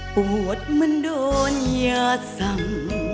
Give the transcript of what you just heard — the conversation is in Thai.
ปวดมันโดนยาสัง